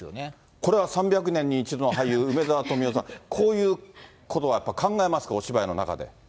これは３００年に１度の俳優、梅沢富美男さん、こういうことをやっぱり考えますか、お芝居の中で。